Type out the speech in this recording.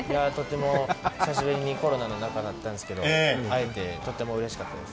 久しぶりにコロナの中だったんですけど会えてとてもうれしかったです。